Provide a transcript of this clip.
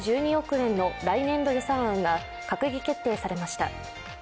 円の来年度予算案が閣議決定されました。